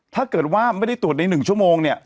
ถ้าไม่ได้ตรวจใน๑ชั่วโมงเนี่ย